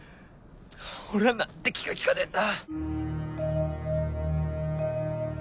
俺は何て気が利かねえんだ。